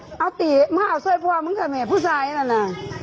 เอาตีมาเอาซ่อยพ่อมึงกับแม่ผู้สายน่ะน่ะ